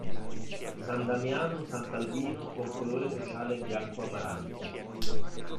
San Damiano-Sant'Albino con colore sociale bianco amaranto.